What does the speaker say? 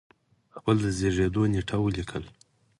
خپل د زیږی و نېټه ولیکل